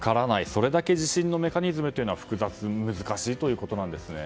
それだけ地震のメカニズムというのは複雑で難しいということなんですね。